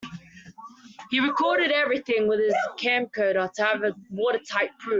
He recorded everything with his camcorder to have a watertight proof.